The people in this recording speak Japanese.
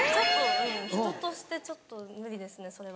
人としてちょっと無理ですねそれは。